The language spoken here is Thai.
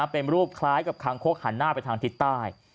เป็นรูปคล้ายกับคางคกหันหน้าไปทางทิศใต้